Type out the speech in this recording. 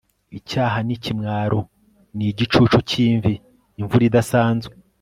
icyaha n'ikimwaro ni igicucu cy'imvi, imvura idasanzwe